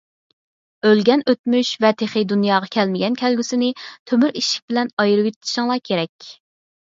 ئۆلگەن ئۆتمۈش ۋە تېخى دۇنياغا كەلمىگەن كەلگۈسىنى تۆمۈر ئىشىك بىلەن ئايرىۋېتىشىڭلار كېرەك.